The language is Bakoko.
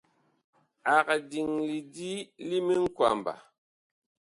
Ag diŋ lidi li miŋkwamba.